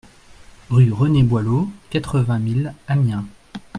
Rue René Boileau, quatre-vingt mille Amiens